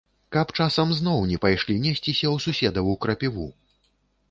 Каб часам зноў не пайшлі несціся ў суседаву крапіву!